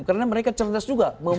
karena mereka cerdas juga